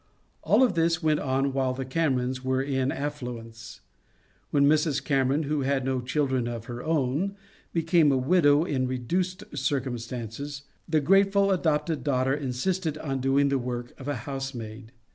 All of this went on while the Camerons were in afiBuence. When Mrs. Cam eron, who had no children of her own, became a widow in reduced circumstances, the grateful adopted daughter insisted on doing the work of a housemaid.